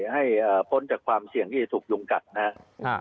ให้พ้นจากความเสี่ยงที่จะถูกยุงกัดนะครับ